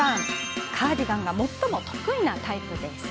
カーディガンが最も得意なタイプです。